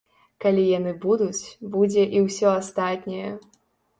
Калі яны будуць, будзе і ўсё астатняе.